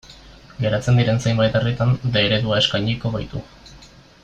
Geratzen diren zenbait herritan D eredua eskainiko baitu.